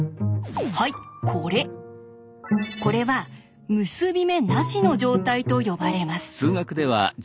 これは「結び目なし」の状態と呼ばれます。